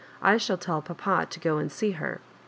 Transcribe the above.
I shall tell papa to go and see her.